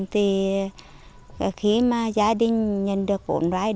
thì khi mà gia đình nhận được vốn